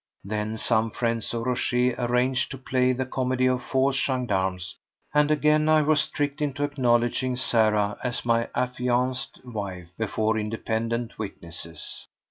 Then some friends of Rochez arranged to play the comedy of false gendarmes, and again I was tricked into acknowledging Sarah as my affianced wife before independent witnesses.